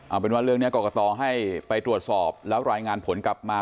เอาเป็นว่าเรื่องนี้กรกตให้ไปตรวจสอบแล้วรายงานผลกลับมา